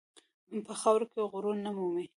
په خاوره کې غرور نه مومي.